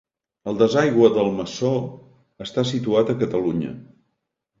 El desaigüe d'Almassor està situat a Catalunya.